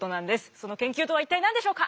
その研究とは一体何でしょうか。